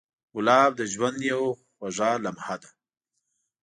ګلاب د ژوند یو خوږ لمحه ده.